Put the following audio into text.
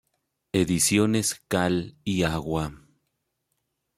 Ediciones Cal y Agua.